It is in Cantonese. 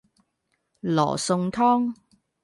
羅宋湯